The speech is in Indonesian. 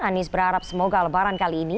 anies berharap semoga lebaran kali ini